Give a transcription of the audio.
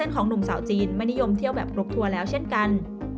ของหนุ่มสาวจีนไม่นิยมเที่ยวแบบครบทัวร์แล้วเช่นกัน